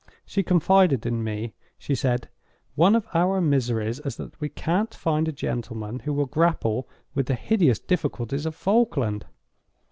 She confided in me. She said: 'One of our miseries is that we can't find a gentleman who will grapple with the hideous difficulties of Falkland.